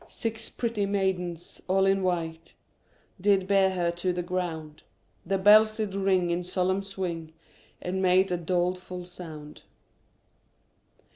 Six pretty maidens, all in white^ Did bear her to the ground. The bells did ring in solemn swing And made a doleful sound.